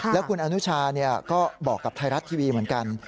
แล้วคุณอนุชาก็บอกกับไทยรัฐทีวีเหมือนกัน